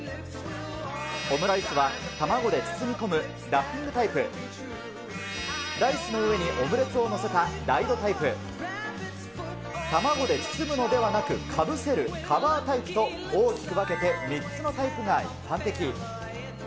オムライスは卵で包み込むラッピングタイプ、ライスの上にオムレツを載せたライドタイプ、卵で包むのではなくかぶせるカバータイプと、大きく分けて３つのタイプが一般的。